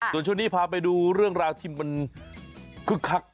ส่วนช่วงนี้พาไปดูเรื่องราวที่มันคึกคัก